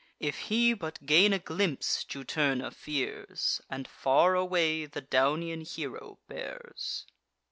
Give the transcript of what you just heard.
If he but gain a glimpse, Juturna fears, And far away the Daunian hero bears.